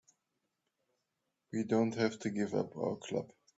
We don't have to give up our club.